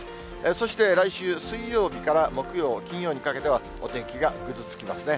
そして来週水曜日から木曜、金曜にかけては、お天気がぐずつきますね。